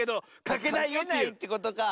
かけないってことか。